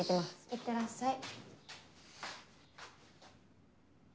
いってらっしゃい。